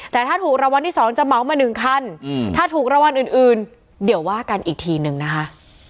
แต่ถ้าถูกรางวัลที่๒จะเหมามา๑คันถ้าถูกรางวัลอื่นเดี๋ยวว่ากันอีกทีนึงนะคะ